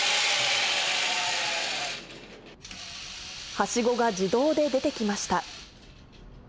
はしごが自動で出てきました。